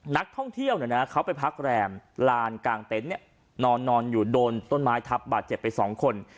นักท่องเที่ยวเขาไปพักแรมลานกลางเต็นต์นอนอยู่โดนต้นไม้ทับบาดเจ็บไป๒คน